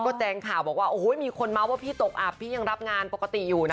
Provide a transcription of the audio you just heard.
เพราะว่าพี่ตกอับพี่ยังรับงานปกติอยู่นะ